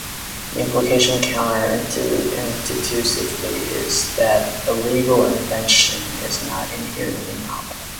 The implication-counter-intuitively-is that a legal invention is not inherently novel.